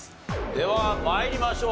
では参りましょう。